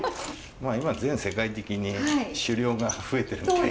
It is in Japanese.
まあ今全世界的に酒量が増えてるみたいで。